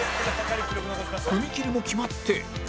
踏みきりも決まって